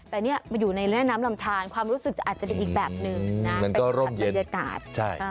แต่นี่มันอยู่ในแม่น้ำลำทานความรู้สึกอาจจะเป็นอีกแบบหนึ่งนะไปสัมผัสบรรยากาศ